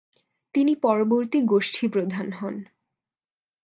তিনি পরবর্তী গোষ্ঠী প্রধান হন।